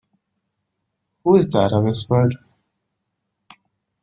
‘Who is that?’ I whispered.